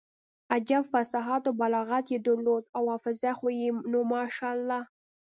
عجب فصاحت او بلاغت يې درلود او حافظه خو يې نو ماشاالله.